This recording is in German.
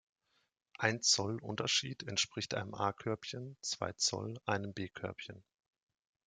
Ein Zoll Unterschied entspricht einem A-Körbchen, zwei Zoll einem B-Körbchen.